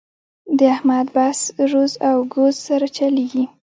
د احمد بس روز او ګوز سره چلېږي.